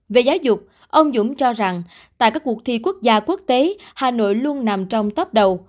về giáo dục ông dũng cho rằng tại các cuộc thi quốc gia quốc tế hà nội luôn nằm trong top đầu